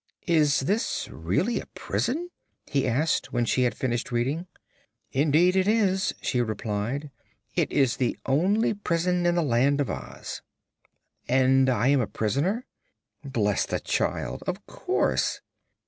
"Is this really a prison?" he asked, when she had finished reading. "Indeed it is," she replied. "It is the only prison in the Land of Oz." "And am I a prisoner?" "Bless the child! Of course."